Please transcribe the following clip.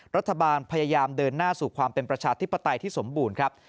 รัฐบาลพยายามเดินหน้าสู่ความเป็นประชาธิปไตยที่สมบูรณ์ครับ